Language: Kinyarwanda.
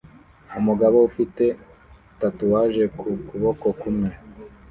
Umugabo ufite tatuwaje ku kuboko kumwe